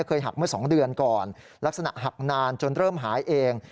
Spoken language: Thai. หักเมื่อ๒เดือนก่อนลักษณะหักนานจนเริ่มหายเอง